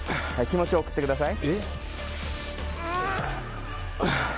気持ちを送ってください。